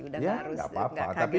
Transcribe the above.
udah nggak harus nggak kaget lagi